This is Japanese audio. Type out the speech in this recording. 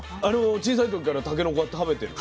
小さい時からたけのこは食べてるの？